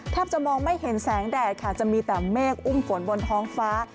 จะมองไม่เห็นแสงแดดค่ะจะมีแต่เมฆอุ้มฝนบนท้องฟ้า